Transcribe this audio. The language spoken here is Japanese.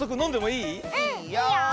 いいよ。